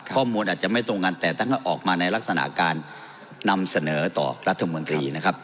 ข้อมูลอาจจะไม่ตรงกันแต่ท่านก็ออกมาในลักษณะการนำเสนอต่อรัฐมนตรีนะครับ